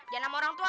eh ini orang tua